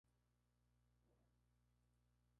Alberto y Jorge son empleados de una farmacia.